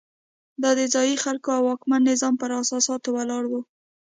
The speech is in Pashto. دا د ځايي خلکو او واکمن نظام پر اساساتو ولاړ وو.